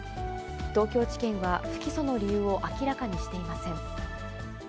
東京地検は不起訴の理由を明らかにしていません。